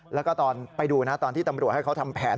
แล้วก็ตอนไปดูนะตอนที่ตำรวจให้เขาทำแผน